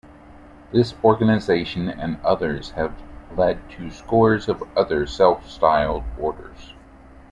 This organisation and others have led to scores of other self-styled Orders.